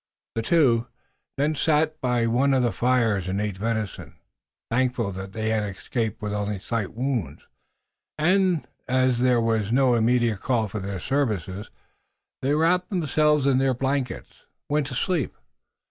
The two then sat by one of the fires and ate venison, thankful that they had escaped with only slight wounds, and as there was no immediate call for their services they wrapped themselves in their blankets, by and by, and went to sleep.